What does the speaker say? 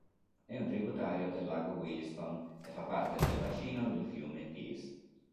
È un tributario del lago Williston e fa parte del bacino del fiume Peace.